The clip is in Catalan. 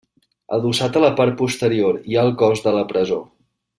Adossat a la part posterior hi ha el cos de la presó.